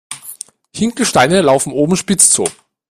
Hinkelsteine laufen oben spitz zu.